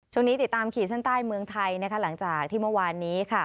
ช่วงนี้ติดตามขีดเส้นใต้เมืองไทยหลังจากที่เมื่อวานนี้